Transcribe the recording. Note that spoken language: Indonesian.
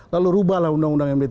lalu rubahlah undang undang md tiga